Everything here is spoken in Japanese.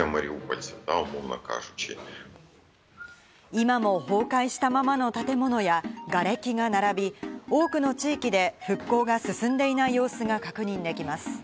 今も崩壊したままの建物やがれきが並び、多くの地域で復興が進んでいない様子が確認できます。